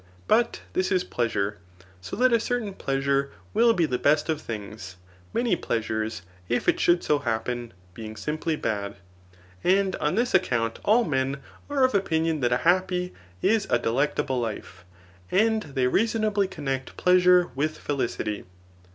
But this is pfeasute ; Ao that a certain pleasure will be the best of thjags, Biaoey; pleasures, if it should so happen, being simply bad. And on this account all men are of opinion that a happy is a delectable life, and they reasonably connect pleasure with felicity.